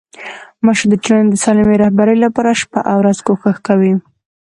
مشر د ټولني د سالمي رهبري لپاره شپه او ورځ کوښښ کوي.